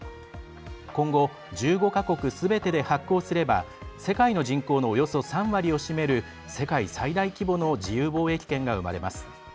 今後、１５か国すべてで発効すれば世界の人口のおよそ３割を占める世界最大規模の自由貿易圏が生まれます。